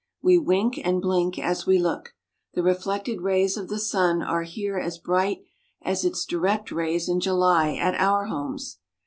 We wink and blink as we look. The reflected rays of the sun are here as bright as its direct rays in July at our homes.